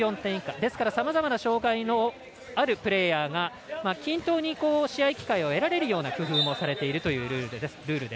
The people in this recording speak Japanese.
ですからさまざまな障がいのあるプレーヤーが均等に試合機会を得られるような工夫もされているというルールです。